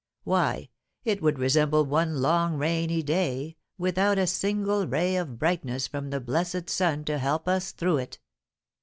Why, it would resemble one long rainy day, without a single ray of brightness from the blessed sun to help us through it.